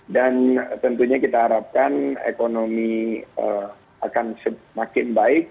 dan tentunya kita harapkan ekonomi akan semakin baik